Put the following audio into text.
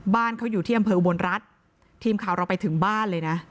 บ้านเขาอยู่ที่อำเภออุบลรัฐทีมข่าวเราไปถึงบ้านเลยนะ